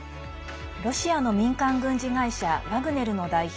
ロシアの民間軍事会社ワグネルの代表